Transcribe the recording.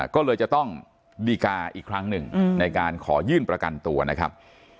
ก็เลยจะต้องดีกาอีกครั้งหนึ่งในการขอยื่นประกันตัวนะครับ